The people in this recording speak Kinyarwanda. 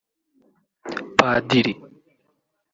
Padiri…